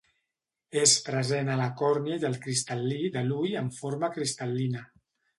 És present a la còrnia i al cristal·lí de l'ull en forma cristal·lina.